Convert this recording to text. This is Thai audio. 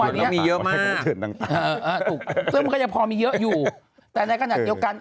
เพราะว่ามันก็ยังพอมีเยอะอยู่แต่ในขณะเดียวกัน